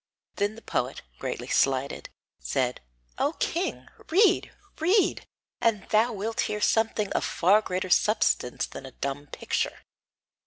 Then the poet, greatly slighted, said: "O king, read, read, and thou wilt hear something of far greater substance than a dumb picture!"